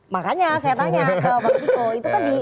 makanya saya tanya ke bapak million itukan